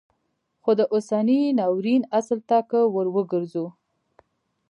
خو د اوسني ناورین اصل ته که وروګرځو